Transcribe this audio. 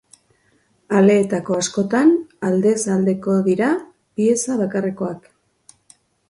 Aleetako askotan, aldez aldekoak dira, pieza bakarrekoak.